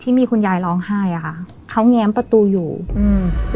คุณยายร้องไห้อ่ะค่ะเขาแง้มประตูอยู่อืม